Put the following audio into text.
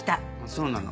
そうなの？